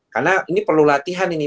karena ini perlu latihan ini